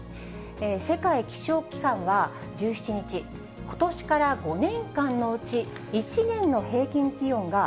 世界気象機関は１７日、ことしから５年間のうち１年の平均気温が